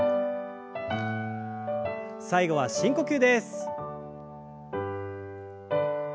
最後は深呼吸です。